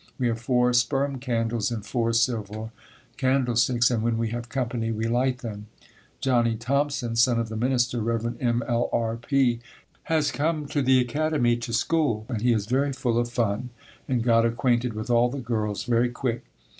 We have four sperm candles in four silver candlesticks and when we have company we light them. Johnnie Thompson, son of the minister, Rev. M. L. R. P., has come to the academy to school and he is very full of fun and got acquainted with all the girls very quick.